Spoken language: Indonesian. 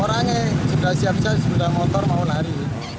orangnya sudah siap siap sudah motor mau lari